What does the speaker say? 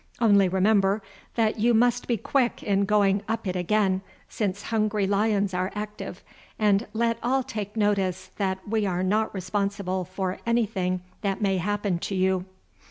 Only remember that you must be quick in going up it again, since hungry lions are active, and let all take notice that we are not responsible for anything that may happen to you."